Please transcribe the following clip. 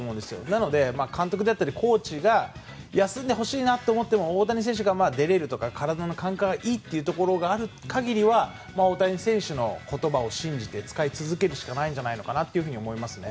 なので、監督であったりコーチが休んでほしいなと思っても大谷選手が、出れるとか体の感覚がいいというところがある限りは大谷選手の言葉を信じて使い続けるしかないんじゃないかと思いますね。